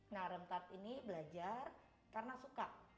nah rem tart ini belajar karena suka